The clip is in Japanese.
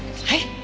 はい。